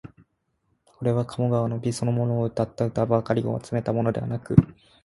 これは鴨川の美そのものをうたった歌ばかりを集めたものではなく、